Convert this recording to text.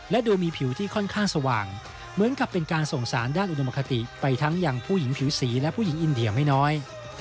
และดูมีผิวที่ค่อนข้างสว่างเหมือนกับเป็นการส่งสารด้านอุดมคติไปทั้งอย่างผู้หญิงผิวสีและผู้หญิงอินเดียไม่น้อย